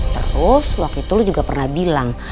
terus waktu itu lu juga pernah bilang